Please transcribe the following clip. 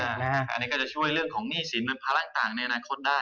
อันนี้ก็จะช่วยเรื่องของหนี้สินเป็นภาระต่างในอนาคตได้